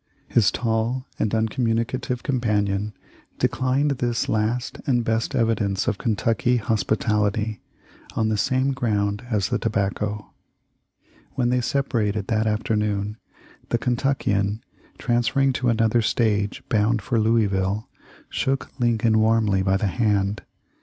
His tall and uncommunicative companion declined this last and best evidence of Kentucky hospitality on the same ground as the tobacco. When they separated that afternoon, the Kentuckian, transferring to another stage, bound for Louisville, shook Lincoln warmly by the hand.